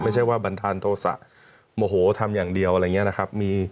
ไม่ใช่ว่าบันดาลโทษะโมโหทำอย่างเดียวอะไรอย่างนี้นะครับ